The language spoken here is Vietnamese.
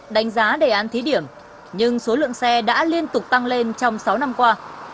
đánh giá đề án thí điểm nhưng số lượng xe đã liên tục tăng lên trong sáu năm qua